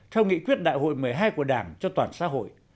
theo nghị quyết đại hội một mươi hai của đảng cho toàn xã hội